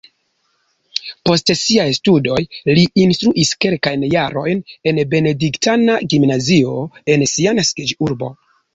Post siaj studoj li instruis kelkajn jarojn en benediktana gimnazio en sia naskiĝurbo.